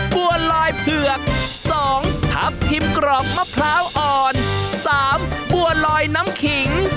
บัวลอยเผือก๒ทับทิมกรอบมะพร้าวอ่อน๓บัวลอยน้ำขิง